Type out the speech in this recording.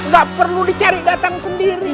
gak perlu dicari datang sendiri